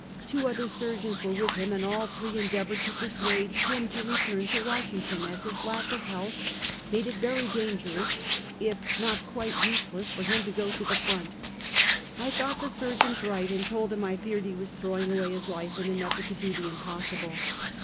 Two other surgeons were with him, and all three endeav ored to persuade him to return to Washington, as his lack of health made it very dangerous, if not quite useless, for him to go to the front. I thought the sur geons right; and told him I feared he was throwing away his life, in an effort to do the impossible.